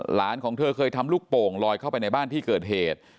ของเธอเคยทำลูกโป่งลอยเข้าไปในบ้านที่เกิดเหตุ